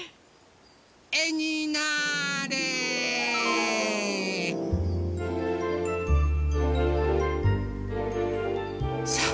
えになあれ！さあ！